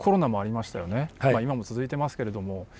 まあ今も続いていますけれども。